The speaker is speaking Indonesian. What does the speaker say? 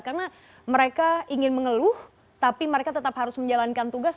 karena mereka ingin mengeluh tapi mereka tetap harus menjalankan tugas